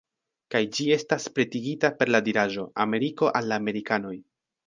Kaj ĝi estas pretigita per la diraĵo: ""Ameriko al la amerikanoj""